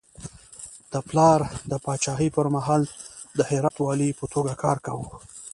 د پلار د پاچاهي پر مهال د هرات ولایت والي په توګه کار کاوه.